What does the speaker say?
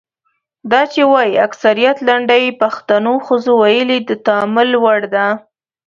دا چې وايي اکثریت لنډۍ پښتنو ښځو ویلي د تامل وړ ده.